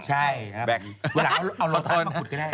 ใช่แม็คโฮล์